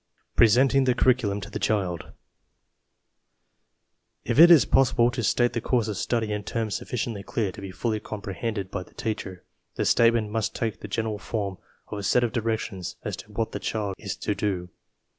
PRESENTING THE CURRICULUM TO THE CHILD If it is possible to state the course of study in terms sufficiently clear to be fully comprehended by the teacher, the statement must take the general form of a set of directions as to what the child is to do.